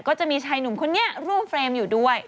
ก็จะมีชายหนุ่มคนนี้ร่วมเฟรมอยู่ด้วย